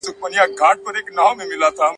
هغه د بازار توازن ته پام درلود.